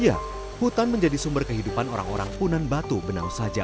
ya hutan menjadi sumber kehidupan orang orang punan batu benau saja